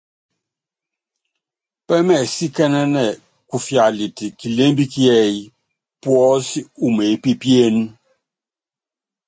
Pɛ́mɛsíkɛ́nɛ́nɛ kufialitɛ kilémbi kíɛ́yí puɔ́si umeépípíéne.